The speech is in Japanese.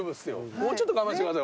もうちょっと我慢してください